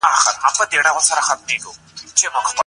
نه قوم لري او نه کوم خپلوان.